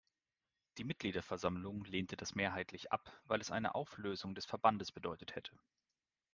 Die Mitgliederversammlung lehnte das mehrheitlich ab, weil es eine Auflösung des Verbandes bedeutet hätte.